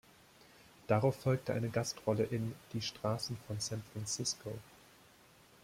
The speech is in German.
Darauf folgte eine Gastrolle in "Die Straßen von San Francisco".